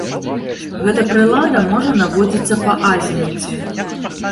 Гэта прылада можа наводзіцца па азімуце.